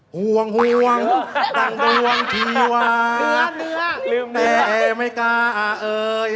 ห่วงห่วงต่างห่วงที่ว่าแต่ไม่กล้าเอ่ย